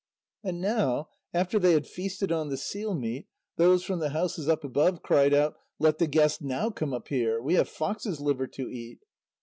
And now after they had feasted on the seal meat, those from the houses up above cried out: "Let the guest now come up here; we have foxes' liver to eat!"